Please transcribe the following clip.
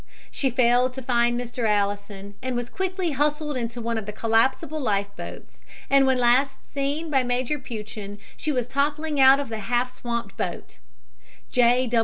She failed to find Mr. Allison and was quickly hustled into one of the collapsible life boats, and when last seen by Major Peuchen she was toppling out of the half swamped boat. J.